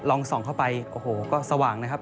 ส่องเข้าไปโอ้โหก็สว่างนะครับ